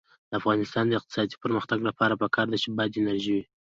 د افغانستان د اقتصادي پرمختګ لپاره پکار ده چې باد انرژي وي.